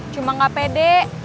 cuma gak pede